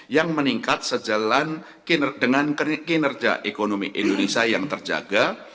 yang meningkat sejalan dengan kinerja ekonomi indonesia yang terjaga